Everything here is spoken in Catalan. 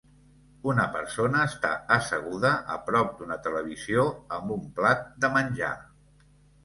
Una persona està asseguda a prop d'una TV amb un plat de menjar.